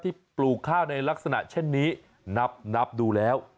ปลูกข้าวในลักษณะเช่นนี้นับดูแล้ว